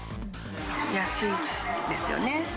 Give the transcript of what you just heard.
安いですよね。